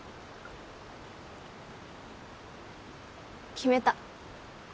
決めた。